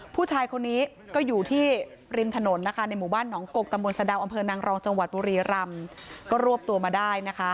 ผู้ชายคนนี้ก็อยู่ที่ริมถนนนะคะในหมู่บ้านหนองกกตสอนางรองจปรีรำก็รวบตัวมาได้นะคะ